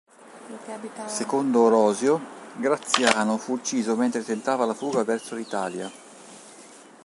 Secondo Orosio, Graziano fu ucciso mentre tentava la fuga verso l'Italia.